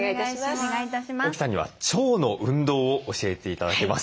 沖さんには腸の運動を教えて頂きます。